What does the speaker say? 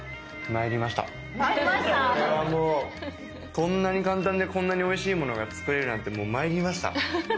こうはもうこんなに簡単でこんなにおいしいものが作れるなんてもう参りました。